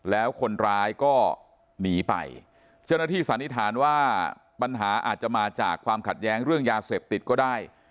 แล้วคนร้ายก็หนีไปเจ้าหน้าที่สันนิษฐานว่าปัญหาอาจจะมาจากความขัดแย้งเรื่องยาเสพติดก็ได้